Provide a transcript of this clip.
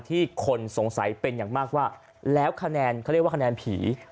คนสงสัยเป็นอย่างมากว่าแล้วคะแนนเขาเรียกว่าคะแนนผี